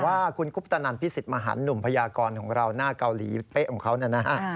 ว่าคุณคุปตนันพิสิทธิมหันหนุ่มพยากรของเราหน้าเกาหลีเป๊ะของเขานะฮะ